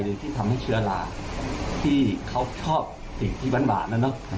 ที่ทำให้เชื้อลาที่เขาชอบสิ่งที่บานนะเนอะ